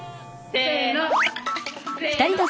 せの。